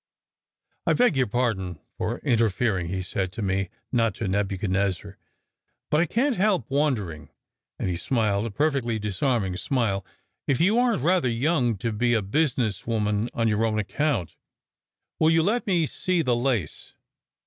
"I beg your pardon for interfering," he said (to me, not to Nebuchadnezzar), "but I can t help wondering" and he smiled a perfectly disarming smile " if you aren t rather young to be a business woman on your own account. Will you let me see the lace?